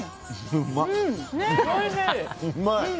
うまい！